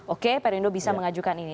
oke perindo bisa mengajukan ini